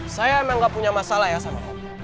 saya emang gak punya masalah ya sama